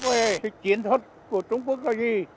về thì chiến thuật của trung quốc là gì